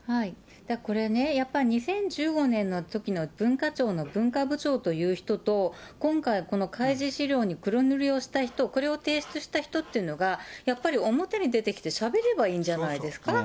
これね、やっぱり２０１５年のときの文化庁の文化部長という人と、今回この開示資料に黒塗りをした人、これを提出した人っていうのが、やっぱり表に出てきてしゃべればいいんじゃないですか。